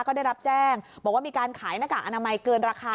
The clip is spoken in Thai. ก็ได้รับแจ้งบอกว่ามีการขายหน้ากากอนามัยเกินราคา